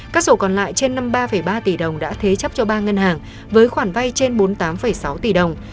các sổ còn lại trên năm mươi ba ba tỷ đồng đã thế chấp cho ba ngân hàng với khoản vay trên bốn mươi tám sáu tỷ đồng